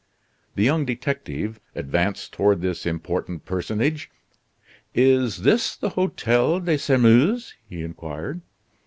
The young detective advanced toward this important personage: "Is this the Hotel de Sairmeuse?" he inquired.